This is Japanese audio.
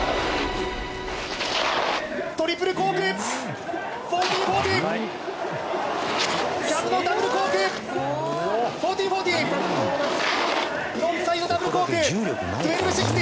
トリプルコーク１４４０。